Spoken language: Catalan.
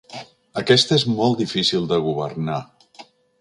Aquesta és molt difícil de governar.